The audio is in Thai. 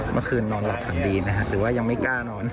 เมื่อคืนนอนหลับฝันดีนะครับหรือว่ายังไม่กล้านอน